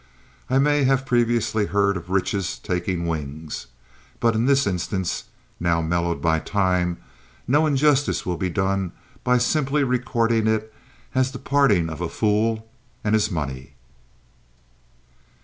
I may have previously heard of riches taking wings, but in this instance, now mellowed by time, no injustice will be done by simply recording it as the parting of a fool and his money.